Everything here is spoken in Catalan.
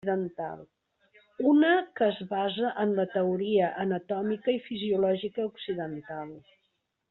Una que es basa en la teoria anatòmica i fisiològica occidental.